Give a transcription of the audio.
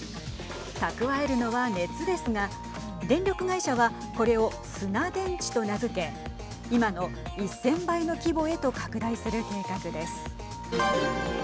蓄えるのは、熱ですが電力会社はこれを砂電池と名付け今の１０００倍の規模へと拡大する計画です。